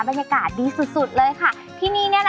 บรรยากาศดีสุดเลยค่ะที่นี่